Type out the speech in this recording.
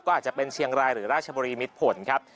ก็อาจจะเป็นเชียงรายหรือราชบุรีมิดผลครับ